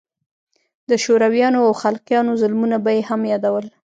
د شورويانو او خلقيانو ظلمونه به يې هم يادول.